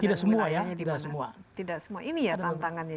tidak semua ya dimana tidak semua ini ya tantangannya